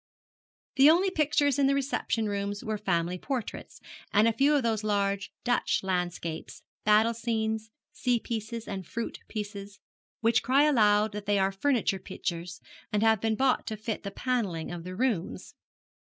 The only pictures in the reception rooms were family portraits, and a few of those large Dutch landscapes, battle scenes, sea pieces and fruit pieces, which cry aloud that they are furniture pictures, and have been bought to fit the panelling of the rooms.